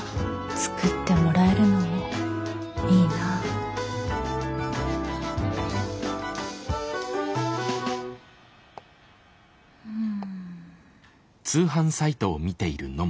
作ってもらえるのもいいなん。